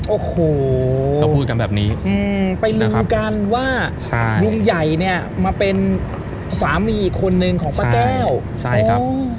โอ้โหก็พูดกันแบบนี้ไปลือกันว่าลุงใหญ่เนี่ยมาเป็นสามีอีกคนนึงของป้าแก้วใช่ครับ